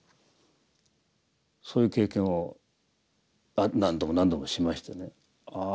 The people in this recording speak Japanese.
そういう経験を何度も何度もしましてねああ